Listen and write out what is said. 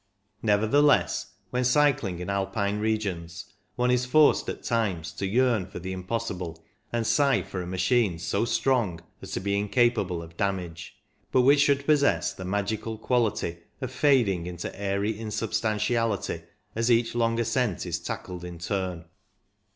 Nevertheless, when cycling in Alpine regions, one is forced at times to yearn for the impossible, and sigh for a machine so strong as to be incapable of damage, but which should possess the magic quality of fading into airy insubstantiality as each long ascent is tackled in turn.